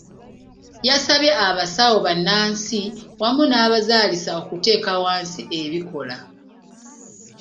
Yasabye abasawo bannansi wamu n'abazaalisa okuteeka wansi ebikola.